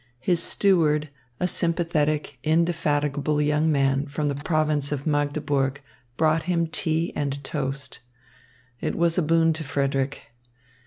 His steward, a sympathetic, indefatigable young man from the province of Magdeburg, brought him tea and toast. It was a boon to Frederick.